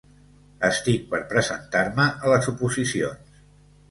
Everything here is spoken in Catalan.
Estic per presentar-me a les oposicions.